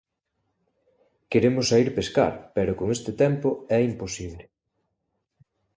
Queremos saír pescar, pero con este tempo é imposible.